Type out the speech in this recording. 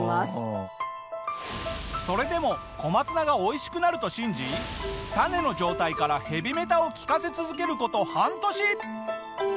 それでも小松菜が美味しくなると信じ種の状態からヘビメタを聞かせ続ける事半年。